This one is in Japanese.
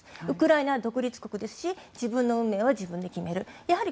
ウクライナは独立国ですし自分の運命は自分で決める。